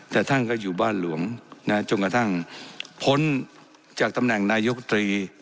แต่ท่านก็อยู่บ้านหลวงจนกระทั่งพ้นจากตำแหน่งนายกตรี